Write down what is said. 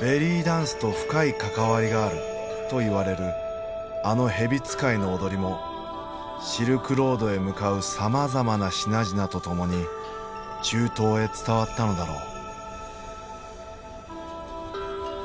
ベリーダンスと深い関わりがあるといわれるあの蛇使いの踊りもシルクロードへ向かうさまざまな品々と共に中東へ伝わったのだろう。